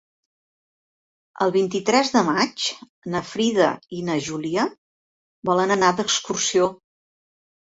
El vint-i-tres de maig na Frida i na Júlia volen anar d'excursió.